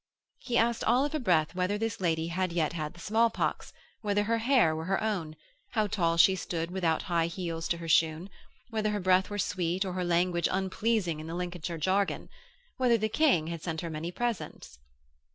He asked all of a breath whether this lady had yet had the small pox? whether her hair were her own? how tall she stood without high heels to her shoon? whether her breath were sweet or her language unpleasing in the Lincolnshire jargon? whether the King had sent her many presents?